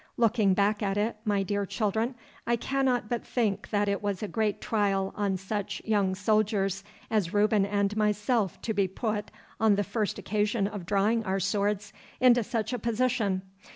Looking back at it, my dear children, I cannot but think that it was a great trial on such young soldiers as Reuben and myself to be put, on the first occasion of drawing our swords, into such a position.